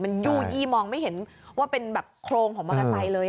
มันยู่ยี่มองไม่เห็นว่าเป็นแบบโครงของมอเตอร์ไซค์เลย